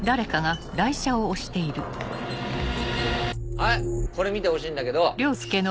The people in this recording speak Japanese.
はいこれ見てほしいんだけど。